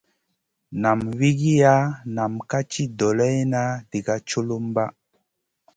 Nam wigiya nam kam ci doleyna diga culumba.